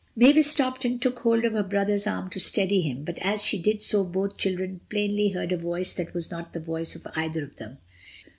Mavis stopped and took hold of her brother's arm to steady him; and as she did so both children plainly heard a voice that was not the voice of either of them.